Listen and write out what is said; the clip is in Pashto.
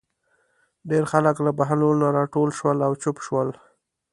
ډېر خلک له بهلول نه راټول شول او چوپ شول.